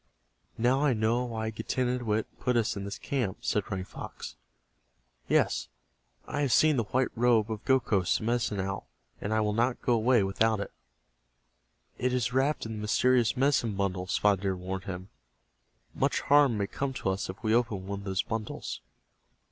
"Now I know why Getanittowit put us in this camp," said Running Fox. "Yes, I have seen the white robe of Gokhos, the Medicine Owl, and I will not go away without it." "It is wrapped in the mysterious medicine bundle," Spotted Deer warned him. "Much harm may come to us if we open one of those bundles."